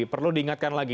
perlu diingatkan lagi